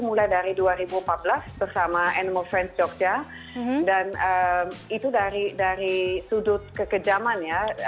mulai dari dua ribu empat belas bersama animal friends jogja dan itu dari sudut kekejamannya